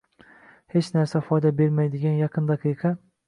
Hech narsa foyda bermaydigan yaqin daqiqa